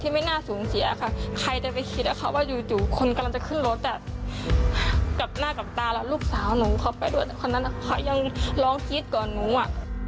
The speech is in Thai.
ไม่คิดก่อนหนูอะ